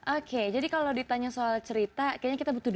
oke jadi kalau ditanya soal cerita kayaknya kita butuh dua